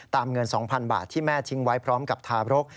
เงิน๒๐๐๐บาทที่แม่ทิ้งไว้พร้อมกับทารก